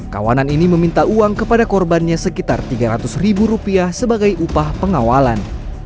kawanan ini meminta uang kepada korbannya sekitar tiga ratus ribu rupiah sebagai upah pengawalan